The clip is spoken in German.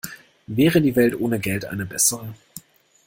Wäre die Welt ohne Geld eine bessere?